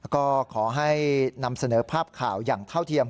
ก็ขอให้นำเสนอภาพข่าวอย่างเท่าเทียม